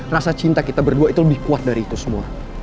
rasa cinta kita berdua itu lebih kuat dari itu semua